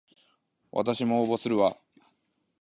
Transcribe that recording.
わたしも応募するわ